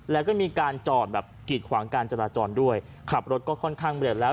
แล้วก็มีการจอดแบบกีดขวางการจราจรด้วยขับรถก็ค่อนข้างเร็วแล้ว